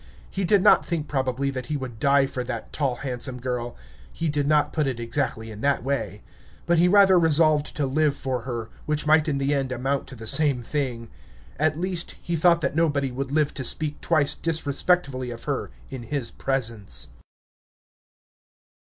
He did not think, probably, that he would die for that tall, handsome girl; he did not put it exactly in that way. But he rather resolved to live for her, which might in the end amount to the same thing. At least, he thought that nobody would live to speak twice disrespectfully of her in his presence.